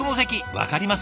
分かります？